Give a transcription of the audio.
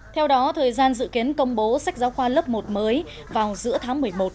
theo đó thời gian dự kiến công bố sách giáo khoa lớp một mới vào giữa tháng một mươi một